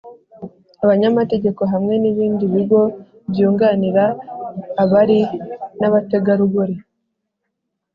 abanyamategeko hamwe n’ibindi bigo byunganira abari n’abategarugori,